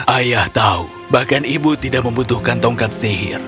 ayah tahu bahkan ibu tidak membutuhkan tongkat sihir